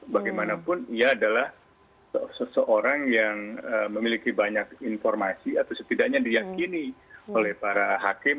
bagaimanapun ia adalah seseorang yang memiliki banyak informasi atau setidaknya diyakini oleh para hakim